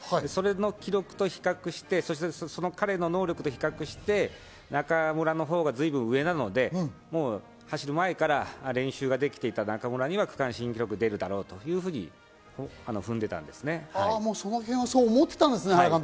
その記録と比較して、その彼の能力と比較して中村のほうが随分上なので、走る前から練習ができていた中村には区間新記録出るだろうと踏んそう思っていたんですね。